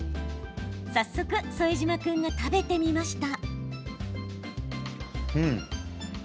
早速、副島君が食べてみました。